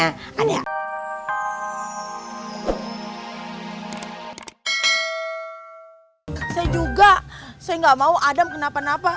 saya juga saya nggak mau adam kenapa napa